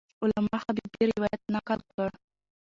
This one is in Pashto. علامه حبیبي روایت نقل کړ.